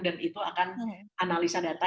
dan itu akan analisa data